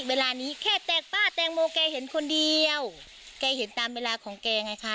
เวลานี้แค่แตกป้าแตงโมแกเห็นคนเดียวแกเห็นตามเวลาของแกไงคะ